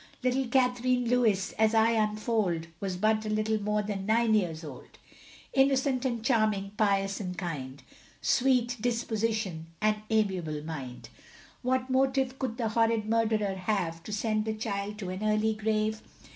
Little Catherine Lewis, as I unfold, Was but a little more than nine years old, Innocent and charming, pious and kind, Sweet disposition, and amiable mind. What motive could the horrid murderer have, To send the child to an early grave?